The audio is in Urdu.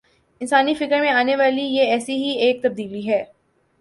انسانی فکر میں آنے والی یہ ایسی ہی ایک تبدیلی ہے۔